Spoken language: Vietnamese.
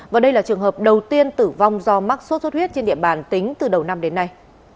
và đây là trường hợp đầu tiên tử vong do mắc sốt xuất huyết trên địa bàn tính từ đầu năm đến nay